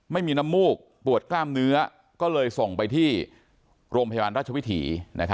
ไม่มีน้ำมูกปวดกล้ามเนื้อก็เลยส่งไปที่โรงพยาบาลราชวิถี